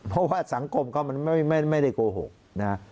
เพราะว่าสังคมเขามันไม่ได้โกหกนะ